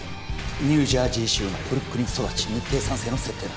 ニュージャージー州生まれブルックリン育ち日系三世の設定だ